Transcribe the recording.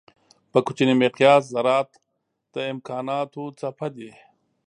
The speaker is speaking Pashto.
په کوچني مقیاس ذرات د امکانانو څپه دي.